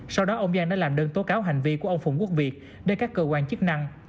sau đó ông giang đã làm đơn tố cáo hành vi của ông phùng quốc việt đến các cơ quan chức năng